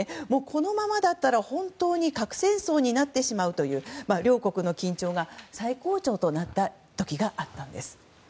このままだったら本当に核戦争になってしまうという両国の緊張が最高潮となった時があったんです。